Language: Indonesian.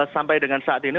sampai dengan saat ini